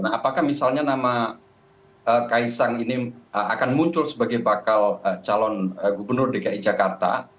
nah apakah misalnya nama kaisang ini akan muncul sebagai bakal calon gubernur dki jakarta